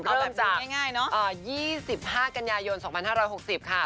เริ่มจาก๒๕กัญญายน๒๕๖๐ค่ะ